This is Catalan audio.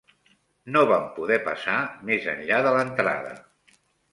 No vam poder passar més enllà de l'entrada.